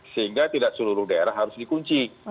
sehingga tidak seluruh daerah harus dikunci